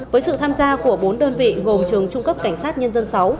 với sự tham gia của bốn đơn vị gồm trường trung cấp cảnh sát nhân dân sáu